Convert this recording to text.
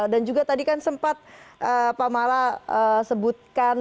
dan juga tadi kan sempat pak mala sebutkan